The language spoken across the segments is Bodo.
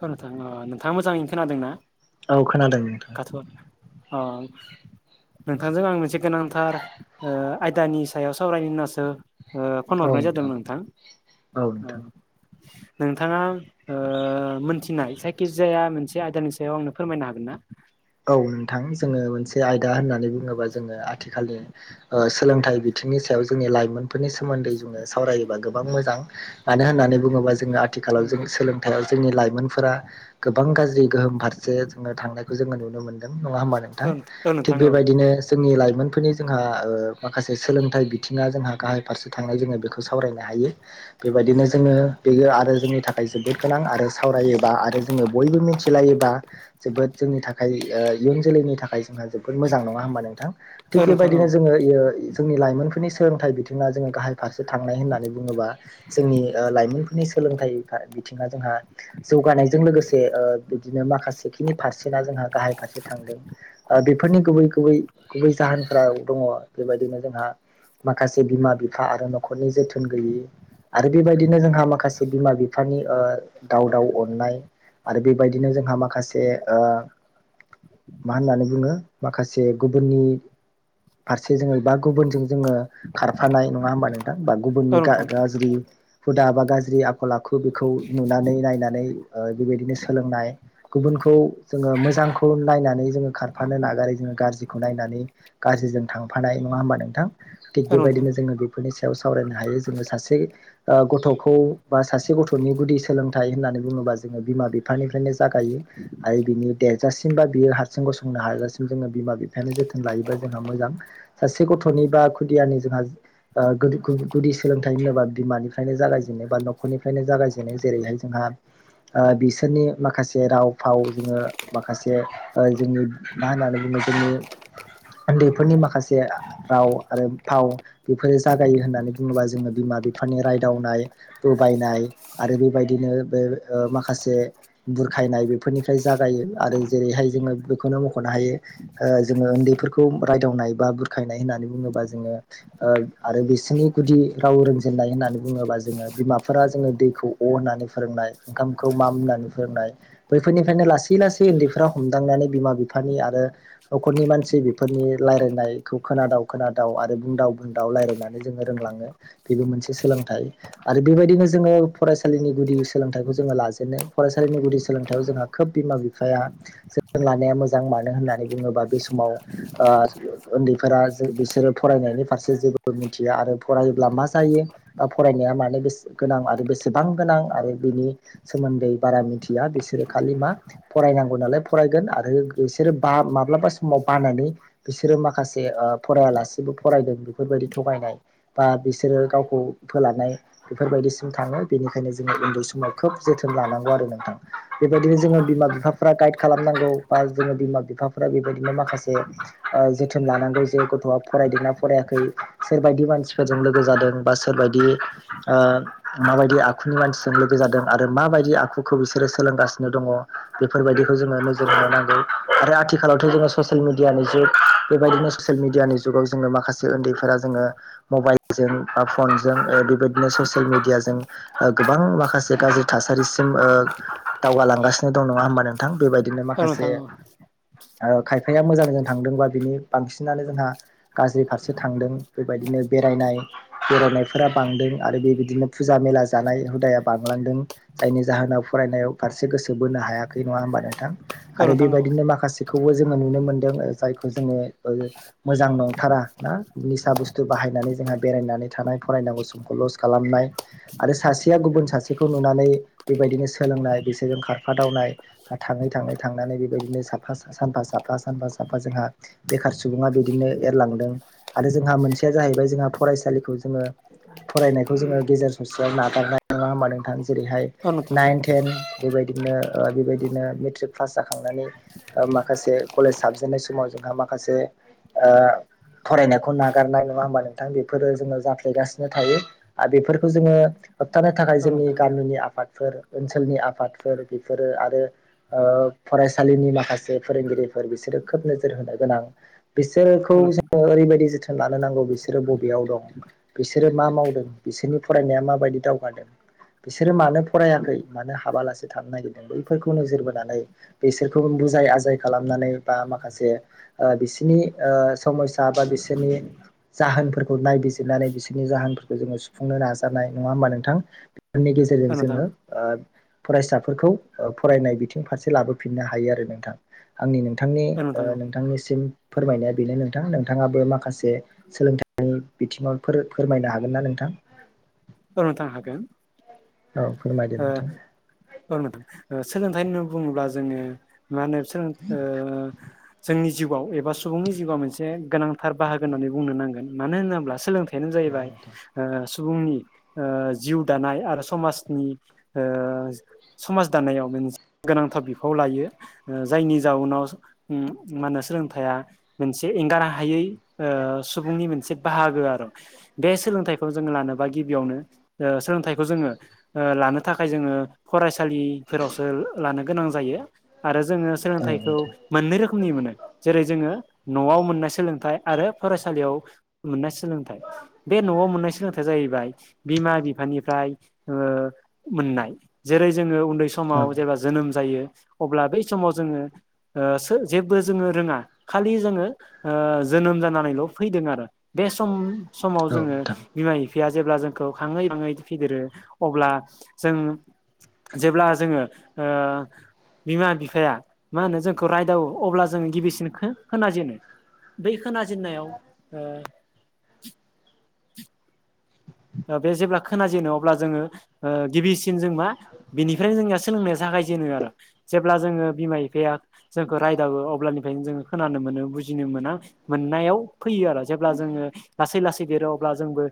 औ नोंथां ओ नोंथाङां मोजाङैनो खोनादों ना? औ खोनादों नोंथां। अह नोंथांजों आं मोनसे गोनांथार ओ आयदानि सायाव सावरायनो होन्नासो ओ फन हरनाय जादोंमोन नोंथां औ नोंथाङा ओ मोनथिनाय जायखि जाया मोनसे आयदानि सायाव आंनो फोरमायनो हागोन ना। औ नोंथां जोङो मोनसे आयदा होननानै बुङोबा जोङो आथिखालनि ओ सोलोंथाइ बिथिंनि सायाव जोंनि लाइमोन फोरनि सोमोन्दै जोङो सावरायोबा गोबां मोजां मानो होननानै बुङोबा जोङो औ आथिखालाव जों सोलोंथाइ जोंनि लाइमोनफोरा गोबां गाज्रि गोहोम फारसे जोङो थांनायखौ जोङो नुनो मोन दों नङा होमबा नोंथां औ थिक नोंथां औ बेबायदिनो जोंनि लाइमोनफोरनि जोंहा ओ माखासे सोलोंथाइ बिथिङा जोंहा गाहाय फारसे थांनाय जोङो बेखौ सावरायनो हायो ।बेबायदिनो जोङो बेयो आरो जोंनि थाखाय जोबोद गोनां आरो सावरायोबा आरो जोङो बयबो मिथिलायोबा जोबोद जोंनि थाखाय इयुन जोलैनि थाखाय जोंहा जोबोद मोजां नङा होमबा नोंथां? थिग औ नोंथां औ बेबायदिनो जोङोयो जोंनि लाइमोनफोरनि सोलोंथाइ बिथिङा जोङो गाहाय फारसे थांनाय होननानै बुङोबा जोंनि लाइमोन नि सोलोंथाइ बिथिङा जोंहा जौगानायजों लोगोसे बिदिनो माखासेखिनि पारसेटआ जोंहा गाहाय फारसे थांदों बेफोरनि गुबै गुबै गुबै जाहोनफोराव दङ बेबायदिनो जोंहा माखासे बिमा बिफा आरो न'खरनि जोथोन गैयै आरो बेबायदिनो जोंहा माखासे बिमा बिफानि ओ दावदाव अननाय आरो बेबायदिनो जोंहा माखासे ओ मा होननानै बुङो माखासे गुबुननि फारसे जोङो बा गुबुनजों जोङो खारफानाय नङा होमबा नों थां बा औ गुननि नोंथां गा-गाज्रि हुदा बा गाज्रि आखल आखु बेखौ नुनानै नायनानै बेबायदिनो सोलोंनाय गुबुनखौ जोङो मोजांखौ नायनानै जोङो खारफानो नागारो जोङो गाज्रिखौ नायनानै गाज्रिजों थांफानाय नङा होनबा नोंथां? थिग औ नोंथां बेबायदिनो जोङो बेफोरनि सा सावरायनो हायो जोङो सासे ओ गथ'खौ बा सासे गथ'नि गुदि सोलोंथाइ होननानै बुङोब बा जोंङो बिमा बिफानिफ्रायनो जागायो। बिनि देरेजासिम बा बियो हारसिं गसंनो हाजासिम जोङो बिमा बिफायानो जोथोन लायोबा जोंहा मोजां सा से गथ'नि बा खुदियानि जोंहा ओ गोदि गु-गुदि सोलोंथाइ होनोबा बिमानिफ्रायनो जागायजेनो बा न'खरनिफ्रायनो जागायजेनो जेरैहाय जोंहा बिसोरनि माखासे राव फाव जोङो माखासे जोंनि मा होननानै बुङो जोंनि उन्दैफोरनि माखासे राव आरो फाव बेफोरो जागायो होननानै बुङोबा जोङो बि बिफनि रायदावनाय बायनाय आरो बेबायदिनो बे माखासे बुरखायनाय बेफोरनि जायो आरो जेरैहाय जोङो बेखौनो मख'नो हायो ओ जोङो उन्दै रायदावनाय बा बुरखायनाय होननानै बुङोबा जोङो आरो बिसोरनि गुदि राव रोंजेननाय होननानै बुङोबा जों बिमाफोरा जो दैखौ अ होननानै फोरोंनाय ओंखामखौ माम होननानै फोरोंनाय बै बेफोरनिफ्रायनो लासै लासै उन्दैफोरा हमदांनानै बिमा बिफानि आरो न'रनि मानसि बेफोरनि लाय रायायनायखौ खोनादाव खोनादाव आरो बुंदाव बुंदाव रायलायनानै जोङो रोंलाङो बेबो मोनसे सोलोंथाइ। आरो बेबायदिनो जोङो फरायसालिनि गुदि सोलोंथाइखौ जोङो लाजेनो फरायसालिनि गुदि सोलों थायाव जोंहा खोब बिमा बिफाया जथों लानाया मोजां मानो होननानै बुङोबा बे समाव ओ उन्दैफोरा बिसोरो फरायनायनि फारसे जेबो मिथिया आरो फरायोब्ला मा जायो फरायनाया मानो गोनां आरो बेसेबां गोनां आरो बिनि सोमोन्दै बारा मिथिया बिसोरो खालि मा फरायनांगौ नालाय फरायगोन आरो बिसोरो बा माब्लाबा समाव बानानै बिसोरो माखासे फरायालासेबो फरायदों बेफोरबायदि थगायनाय बा बिसोरो गावखौ फोलानाय बेफोरबायदिसिम थाङो बेनिखायनो जोङो उन्दै समाव खोब जोथोन लानांगौ आरो नोंथां। बेबायदिनो जोङो बिमा बिफाफ्रा गाइड खालामनांगौ बा जोङो बिमा बिफाफ्रा बेबायदिनो माखासे जोथोन लानांगौ जे गथ'आ फरायदोंना फरायाखै सोरबायदि मानसिफोरजों लोगो जादों बा सोरबदि बायदि ओ माबायदि आखुनि मानसिजों लोगो जादों आरो माबायदि आखुखौ बिसोरो सोलोंगासिनो दङ बेफोरबायदिखौ जोङो नोजोर होन नांगौ आरो आथिखालावथ' जोङो ससियेल मिडियानि जुग बेबायदिनो ससियेल मिडियानि जुगाव जोङो माखासे उन्दैफोरा जोङो मबाइलजों बा फन जों बेबायदिनो ससियेल मिडियााजों गोबां माखासे गाज्रि थासारिसिम ओ दावगालांगासिनो दं नङा होमबा नोंथां? बेबायदिनो औ माखासे नोंथां औ खायफाया मोजांजों थांदोंबा बिनि बांसिनानो जोंहा गाज्रि फारसे थांदों बेबायदिनो बेरायनाय बेरायनायफोरा बांदों आरो बेबायदिनो फुजा मेला जानाय हुदाया बांलांदों जायनि जाहोनाव फरायनायाव फारसे गोसो बोनो हायाखै नङा होमबा नोंथां औ आरो नोंथां औ नोंथां औ बेबायदिनो माखासे बेबो जोङो नुनो मोनदों जायखौ जोङो मोजां नंथारा ना निसा बुस्थु बायहाय नानै जोंहा बेरायनानै थानाय फरायनांगौ समखौ लस खालामनाय आरो सासेया गुबुन सासेखौ नुनानै बेबायदिनो सोलोंनाय बिसोरजों खारफादावनाय बा थाङै थाङै थांनानै बेबायदिनो साफा सानफा साफा सानफा साफा जोंहा बेखार सुबुङा बिदिनो एरलांदों आरो जोंहा मोनसेया जाहैबाय जोंहा फरायसालिखौ जोङो फरायनायखौ जोङो गेजेर ससेयाव नागारनाय नङा होमबा नोंथां जेरैहाय औ नोंथां औ नोंथां औ नोंथां नाइन टेन बेबायदिनो बेबायदिनो मेट्रिक पास जाखांनानै माखासे कलेज साबजेननाय समाव जों माखासे फरायनायखौ नागारनाय नङा होमबा नोंथां बेफोरो जोङो जाफ्लेगासिनो थायो आरो बेफोरखौ जोङो होबथानो थाखाय जोंनि गामिनि आफादफोर ओनसोलनि आफाद बेफोरो आरो फरायसालिनि माखासे फोरोंगिरिफोर बिसोरो खोब नोजोर होनाय गोनां बिसोरखौ जोङो ओरैबायदि जोथोन लानो नांगौ बिसोरो बबेयाव दं बिसोरो मा मावदों बिसोरनि फरायनाया माबायदि दावगादों बिसोरो मानो फरायाखै मानो हाबालासि थानो नागिरदों बैफोरखौ नोजोर बोनानै बेसोरखौ बुजाय आजाय खालामनानै बा माखासे बिसोरनि समयसा बा बिसोरनि जाहोनफोरखौ नायबिजिरनानै बिसोरनि जाहोनफोरखौ जोङो सुफुंनो नाजानाय नङा होमबा नोंथां नि गेजेरजों जोङो फरायसाफोरखौ फरायनाय बिथिं फारसे लाबोफिननो हायो आरो नोंथां आंनि नोंथांनि औ नोंथां नोंथांनिसिम फोरमायनाया बेनो नोंथां नोंथाङाबो माखासे सोलोंथ नि बिथिङाव फोरमायनो हागोन ना नोंथां? फोरनोथां हागोन [unintelligible] औ फोरमायदो आ नोंथां [unintelligible] सोलोंथाइ होननानै बुङोब्ला जोङो मा होनो जोंनि जिउआव एबा सुबुंनि जिउआव मोनसे गोनांथार बाहागोन होन्नानै बुंनो नांगोन मानो होनोब्ला सोलोंथाइ बेखानो औ जाहैबाय नोंथां सुबुंनि जिउ दानाय आरो समाजनि समाज दानायाव मोनसे गोनांथार बिफाव लायो जायनि जाउनाव मा होनो सोलोंथ मोनसे एंगारा हायै सुबुंनि मोनसे बाहागो बे सोलोंथखौ जो लानोबा गिबियावनो सोलोंथखौ जोङो लानो थाखाय जोङो फरायसालिफोरावसो लानो गोनां जायो आरो जोङो औ सोलोंथखौ नोंथां मोननै रोखोमनि मोनो जेरै जोङो न'आव मोननाय सोलोंथाइ आरो फरायसालियाव मोननाय सोलोंथाइ बे न'आव मोननाय सोलोंथायाइया जाहैबाय बिमा बिफानिफ्राय मोननाय जेरै जोङो उन्दै औ समाव जेब्ला जोनोम जायो। अब्ला बै समाव जोङो जेबो जोङो रोङा खालि जोङो जोनोम जानानैल' फैदों आरो बे सम समाव औ जोङो नोंथां बिमा बिफाया जेब्ला जोंखौ खााङै बाङै फेदेरो अब्ला जों जेब्ला जोङो बिमा बिफाया मा होनो जोंखौ रायदावो अब्ला जों गिबिसिन खोनाजेनो। बै खोनाजेन्नायाव ओ औ। [inaudible] बे जेब्ला खोन जेनो अब्ला जोङो गिबिसिन जों मा बिनिफ्रायनो जोंनिया सोलोंनाया जागोन। आरो जेब्ला जोङो बिमा बिफाया जोंखौ रायदावो, अब्लानिफ्रायनो जों खोनानो मोनो बुजि मोना मोननाय फैयो आरो जेब्ला जोङो, लासै लासै देरो अब्ला जोंबो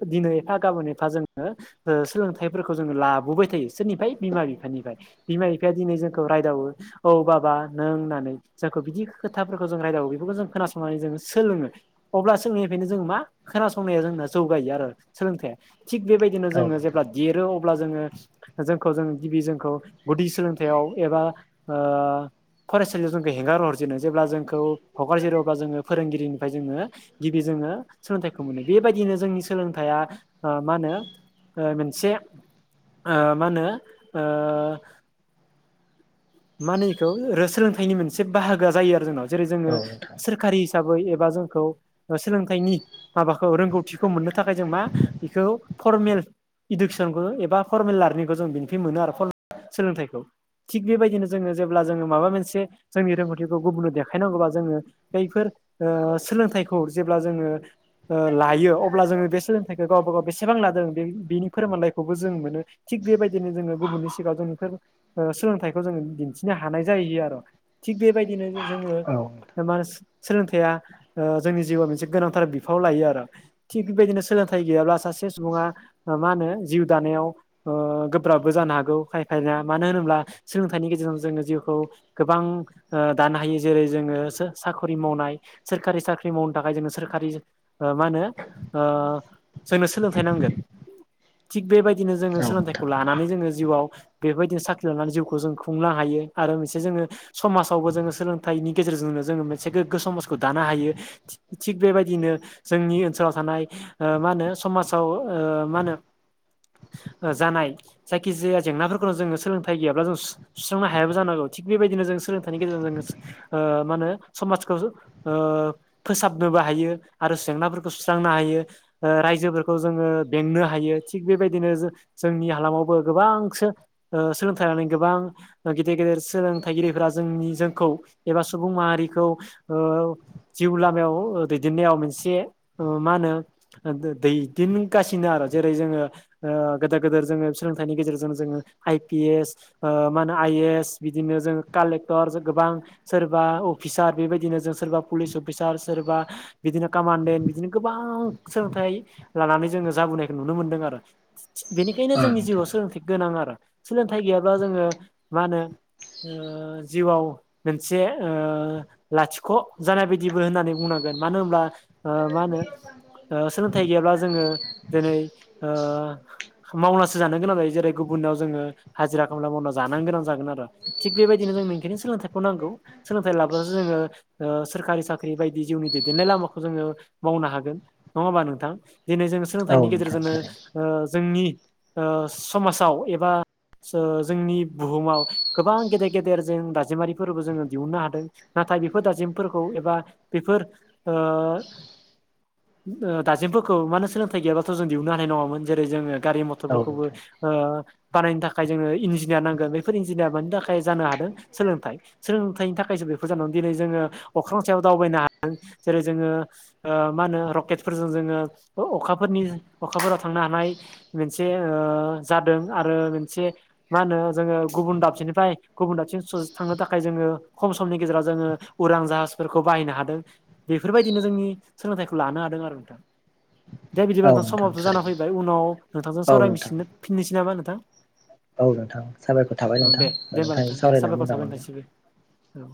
दिनै एफा गाबोन एफा जोङो ओ सोलोंथाइफोरखौ जोङो लाबोबाय थायो सोरनिफ्राय बिमा बिफानिफ्राय। बिमा बिफाया दिनै जोंखौ रायदावो औ बाबा नों होननानै जोंखौ बिदि खोथाफोरखौ जों रायदाव बेफोरखौ जों खोनासंनानै जोङो सोलोङो अब्ला, सोलोंनायनिफ्रायनो जोङो मा खोनासंनाया जोंना जौगायो आरो। सोलोंथाया थिग बेबायदिनो औ जोङो नोंथां जेब्ला देरो अ अब्ला जोङो जोंखौ जों गिबि जोंखौ गुदि सोलोंथाइयाव एबा ओ फरायसालियाव जोंखौ हेंगार हरजेनो जेब्ला जोंखौ हगारजेरो अब्ला जोङो फोरोंगिरिनिफ्राय जोङो गिबि जों ङो सोलोंथायखौ मोनो बेबायदिनो जोंनि सोलों हाया ओ मा होनो ओ मोनसे ओ मा होनो ओ मा होनो बेखौ सोलोंथाइनि मोनसे बाहागोआ जायो आरो जोंनाव ।जेरै जोङो औ नोंथां सोरखारि हिसाबै एबा जोंखौ सोलोंथाइनि माबाखौ रोंगौथिखौ मोननो थाखाय जों मा बेखौ फरमेल इडुकेसनखौ एबा फरमेल लार्निंखौ जों बेनिफिट मोनो आरो फर सोलोंथाइखौ थिग बेबायदिनो जोङो जेब्ला जोङो मा मोनसे जोंनि ओ गुबुननो देखायनांगौबा जो बेफोर ओ सोलोंथाइखौ जेब्ला जोङो लायो अब्ला जोङो बे सोलोंथाइखौ गावबा गाव बेसेबां लादों बे बेनि फोरमानलाइखौबो जों मोनो थिग बेबायदिनो जोङो गुबुननि सिगाङाव जों बेफोर सोलोंथाइखौ जोङो दिन्थिनो हानाय जाहैयो आरो थिग बेबायदिनो औ जोङो मान सोलोंथाइया ओ जोंनि जिउआव मोनसे गोनांथार बिफाव लायो आरो थिग बेबायदिनो सोलोंथाइ गैयाब्ला सासे सासे सुबुङा मा होनो जिउ दानायाव ओ गोब्राबबो जानो हागौ खायफाया मानो होनोब्ला सोलों थाइनि गेजेरजों जोङो जिउखौ गोबां दानो हायो जेरै जोङो साखरि मावनाय सोरखारि साख्रि मावनो थाखाय जोंनो सोरखारि मा होनो ओ जोंनो सोलोंथाइ नांगोन थिग बेबायदिनो जोङो सोलोंथाइखौ नोंथां लानानै जोङो जिउआव बेबायदिनो साख्रि लानानै जिउखौ जों खुंनो हायो आरो मोनसे जोङो समाजावबो जोङो सोलोंथाइनि गेजेरजोंनो जोङो मोनसे गोग्गो समाजखौ दानो हा रो थिग बेबायदिनो जोंनि ओनसोलाव थानाय मा होनो समाजाव ओ मा होनो जानाय जायखि जाया जेंनाफोरखौनो जोङो सोलोंथाइ गैयाब्ला जों सु सुस्रांनो हायाबो जानांगौ थिग बेबायदिनो जों सोलोंथाइनि गेजेरजों जो मा होनो समाजखौ ओ ओ फोसाबनोबो हायो आरो जेंनाफोरखौ सुस्रांनो हायो रायजोफोरखौ जोङो बें नो हायो थिग बेबायदिनो जो जोंनि हालामावबो गोबांसो सोलोंथाइ लानानै गोबां गेदेर गेदेर सोलोंथाइगिरिफोरा जोंनि जोंखौ एबा सुबुं माहारिखौ ओ जिउ लामायाव दैदेननायाव मोनसे मा होनो दैदेनगासिनो जेरै जोङो ओ गोदोर गोदोर जोङो सोलोंथायनि गेजेरजों जोङो आइ पि एस ओ मा होनो आइ ए एस बिदिनो जों कालेक्टर गोबां सोरबा अफिसार बेबायदिनो जों सोरबा पुलिस अफिसार सोरबा बिदिनो कामान्देन्ट बिदिनो गोबां सोलोंथाइ लानानै जोङो जाब बोनायखौ नुनो मोन्दों आरो। बेनिखायनो औ जोंनि जिउआव नोंथां सोलोंथ गोनां आरो ।सोलोंथाइ गैयाब्ला जोङो मा होनो ओ जिउआव मोनसे ओ लाथिख' जानाय बायदिबो होननानै बुंनां गोन मानो होनब्ला ओ मा होनो ओ सोलोंथाइ गैयाब्ला जोङो जेरै ओ मावनासो जानो गोनां जायो जेरै गुबुन उनाव जोङो हाजिरा खामला मावनानै जा जानो गोनां जागोन आरो बेबायदिनो जोंनो सोलोंथायखौ नांगौ सोलोंथाय लाब्लासो जोङो ओ सोरखारि साख्रि बायदि जिउनि दैदेननाय लामाखौ जोङो मावनो हागोन नङा होमबा नोंथां दिनै जों औ सोलोंथाइनि नोंथां गेजेरजोंनो थारैनो ओ जोंनि ओ समाजाव एबा जोंनि बुहुमाव गोबां गेदेर गेदेर जों दाजिमारिफोरबो जोङो दिहुननो हादों नाथाय बेफोर दाजेमफोरखौ एबा बेफोर ओ दाजेम फोरखौ मानो होन सोलोंथाइ गैयाबाथ' जों दिहुननो हानाय नङामोन जेरै जोङो गारि औ मथरफोरखौबो नोंथां ओ बानायनो थाखाय जोनो इन्जि- इनजिनियार नांगोन बेैफोर इन्जिनियार मानि थाखाय जानो हादों सोलोंथाइ सोलोंथाइनि थाखायसो बेफोर जानांगौ दिनै जोङो अख्रां सायाव दावबायनो हादों जेरै जोङो मा होनो रकेटफोरजों जोङो अखाफोर नि अखाफोराव थांनो हानाय मोनसे जादों आरो मोनसे मा होनो जोङो गुबुन दाबसेनिफ्राय गुबुन दाबसे ससे थांनो थाखाय जोङो खम समनि गेजेराव जोङो उरां जाहाजफोरखौ बाहायनो हादों बेफोरबायदिनो जोंनि सोलोंथाइखौ लानो हादों आरो नोंथां दे बिदिब्ला औ नोंथां समावथ' जानानै थारैनो फैबाय उनाव नोंथांजों औ सावराय नोंथां फिनो नोसै नामा नोंथां औ नोंथां साबायखर थाबाय औ नोंथां दे दे होमबा नोंथां नोंथांजों दे सावरायना साबायखर मोजां थाबाय मोनबाय नोंथांनिसिम औ